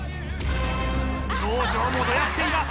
表情もドヤっています